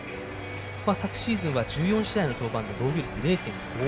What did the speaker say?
昨シーズンは１４試合の登板で防御率０．５５。